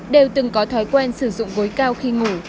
đều từng có thói quen sử dụng gối cao khi ngủ